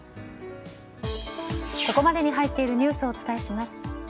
ここまでに入っているニュースをお伝えします。